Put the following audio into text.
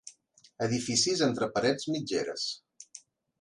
Edificis entre parets mitgeres.